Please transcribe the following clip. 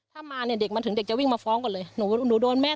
ถ้ามาเนี่ยเด็กมันถึงเด็กจะวิ่งมาฟ้องก่อนเลยหนูโดนแม่